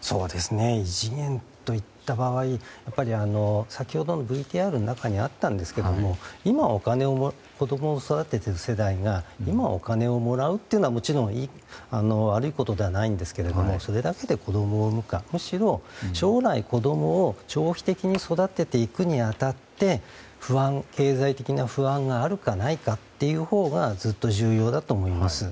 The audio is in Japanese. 異次元といった場合先ほどＶＴＲにもあったんですが今、子供育てている世帯が今、お金をもらうというのはもちろん悪いことではないんですけれどもそれだけで子供を産むかむしろ将来子供を長期的に育てていくに当たって経済的な不安があるかないかというほうがずっと重要だと思います。